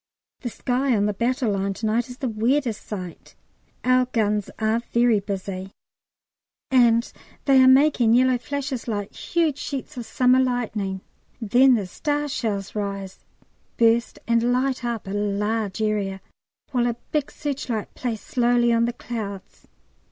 The sky on the battle line to night is the weirdest sight; our guns are very busy, and they are making yellow flashes like huge sheets of summer lightning. Then the star shells rise, burst, and light up a large area, while a big searchlight plays slowly on the clouds.